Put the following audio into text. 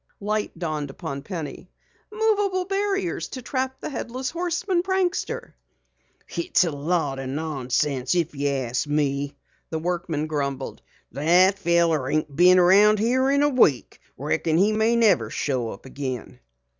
Light dawned upon Penny. "Moveable barriers to trap the Headless Horseman prankster!" "It's a lot o' nonsense if you ask me," the workman grumbled. "That fellow ain't been around here in a week. Reckon he may never show up again."